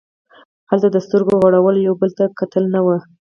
هلته د سترګو غړول او یو بل ته کتل نه وو.